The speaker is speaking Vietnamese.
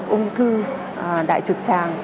ung thư đại trực tràng